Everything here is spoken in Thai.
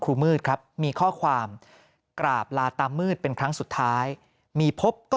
มืดครับมีข้อความกราบลาตามมืดเป็นครั้งสุดท้ายมีพบก็